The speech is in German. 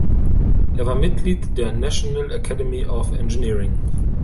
Er war Mitglied der National Academy of Engineering.